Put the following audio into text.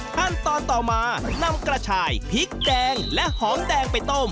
ขั้นตอนต่อมานำกระชายพริกแดงและหอมแดงไปต้ม